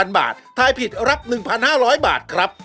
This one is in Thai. ๐บาททายผิดรับ๑๕๐๐บาทครับ